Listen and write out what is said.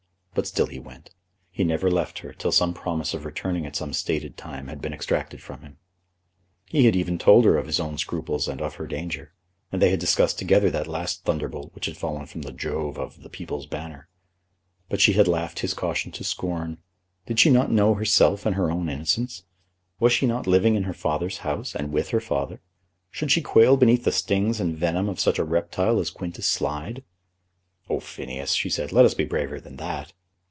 But still he went. He never left her till some promise of returning at some stated time had been extracted from him. He had even told her of his own scruples and of her danger, and they had discussed together that last thunderbolt which had fallen from the Jove of The People's Banner. But she had laughed his caution to scorn. Did she not know herself and her own innocence? Was she not living in her father's house, and with her father? Should she quail beneath the stings and venom of such a reptile as Quintus Slide? "Oh, Phineas," she said, "let us be braver than that."